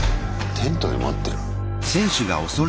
テントで待ってる？